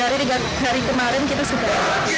dari hari kemarin kita suka ya